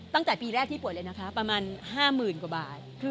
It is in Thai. ตั้งแต่ปีแรกที่ป่วยเลยนะคะประมาณ๕๐๐๐กว่าบาท